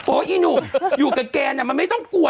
โอ้ยอีหนูอยู่กับแกเนี่ยมันไม่ต้องกลัว